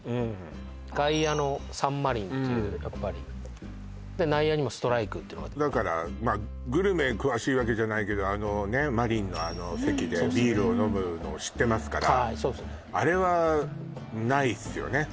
外野のサンマリンっていう内野にもストライクっていうのがあってグルメ詳しいわけじゃないけどマリンのあの席でビールを飲むのを知ってますからあれはないですよね